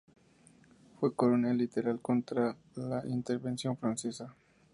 Fue coronel liberal contra la intervención francesa.